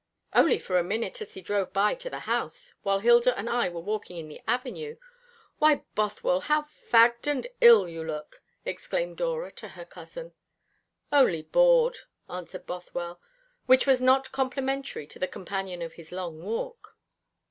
"Only for a minute as he drove by to the house, while Hilda and I were walking in the avenue. Why, Bothwell, how fagged and ill you look!" exclaimed Dora to her cousin. "Only bored," answered Bothwell, which was not complimentary to the companion of his long walk.